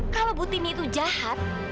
kalau putri ini tuh jahat